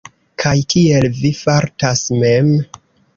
Kaj kiel vi fartas mem?